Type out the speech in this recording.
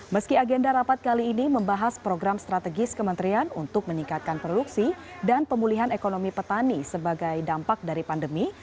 meski agenda rapat kali ini membahas program strategis kementerian untuk meningkatkan produksi dan pemulihan ekonomi petani sebagai dampak dari pandemi